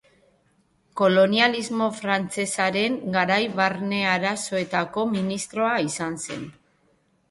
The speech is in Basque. Kolonialismo frantsesaren garaian Barne Arazoetako ministroa izan zen.